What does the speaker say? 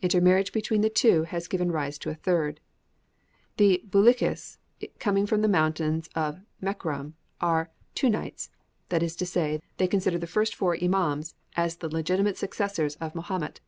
Intermarriage between the two has given rise to a third. The Belutchis, coming from the mountains of Mekram, are "Tunnites," that is to say, they consider the first four Imans as the legitimate successors of Mahomet.